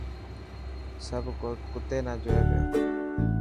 سڀ ڪوتي نا جوئي پيا.